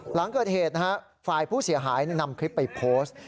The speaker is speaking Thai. หลังเกิดเหตุนะฮะฝ่ายผู้เสียหายนำคลิปไปโพสต์